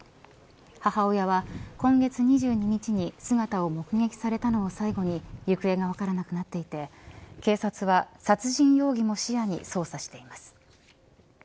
母親は今月２２日に姿を目撃されたのを最後に行方が分からなくなっていて警察は殺人容疑も視野に捜査しています。